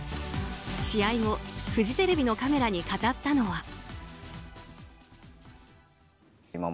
試合後、フジテレビのカメラに語ったのは。